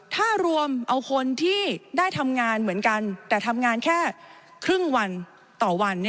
ถ้ารวมเอาคนที่ได้ทำงานเหมือนกันแต่ทำงานแค่ครึ่งวันต่อวัน